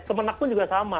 kemenang pun juga sama